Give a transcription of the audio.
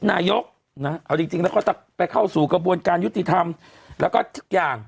นายกนะเอาจริงแล้วก็ไปเข้าสู่กระบวนการยุติธรรมแล้วก็ทุกอย่าง